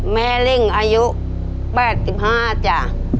แม่ลิ่งอายุ๘๕จ้ะ